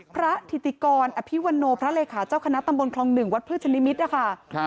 อภิติกรอภิวโวโนพระเลยคาเจ้าคณะตำบลครองหนึ่งวัดเพื่อชนิมิตร